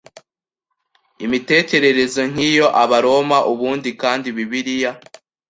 imitekerereze nk iyo Abaroma ubundi kandi Bibiliya